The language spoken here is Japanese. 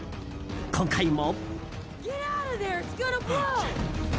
今回も。